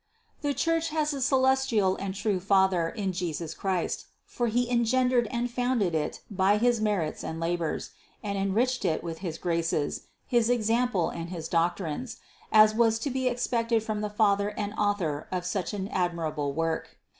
512. The Church has a celestial and true father in Jesus Christ, for He engendered and founded it by his merits and labors, and enriched it with his graces, his example and his doctrines, as was to be expected from the Father and Author of such an admirable work.